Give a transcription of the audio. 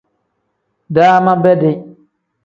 Daama bedi.